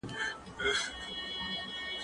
زه به سبا کتاب وليکم؟؟